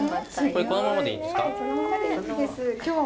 これこのままでいいんですか？